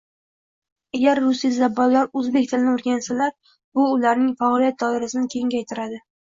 Agar rusiyzabonlar o'zbek tilini o'rgansalar, bu ularning faoliyat doirasini kengaytiradi